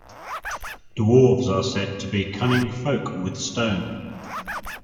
Dwarves are said to be cunning folk with stone.